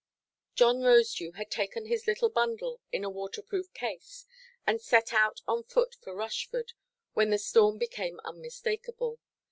John Rosedew had taken his little bundle, in a waterproof case, and set out on foot for Rushford, when the storm became unmistakeable.